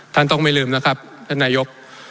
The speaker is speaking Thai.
ท่านต้องไม่ลืมนะครับท่านนายก